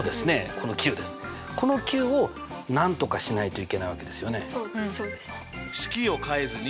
この９をなんとかしないといけないわけですよね。